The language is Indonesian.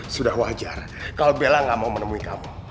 sudah wajar kalau bella gak mau menemui kamu